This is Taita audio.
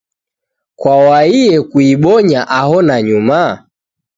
Kwaw'aie kuibonya aho nanyuma?